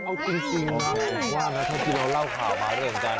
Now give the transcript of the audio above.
เอาจริงมาว่านะถ้าที่เราเล่าข่าวมาเรื่องกัน